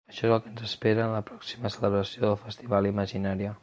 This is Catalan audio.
Això és el que ens espera en la pròxima celebració del festival Imaginària.